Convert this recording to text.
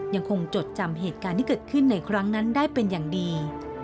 จดจำเหตุการณ์ที่เกิดขึ้นในครั้งนั้นได้เป็นอย่างดี